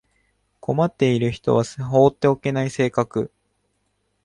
困っている人は放っておけない性格